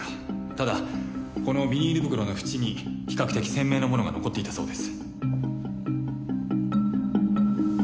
ただこのビニール袋の縁に比較的鮮明なものが残っていたそうです。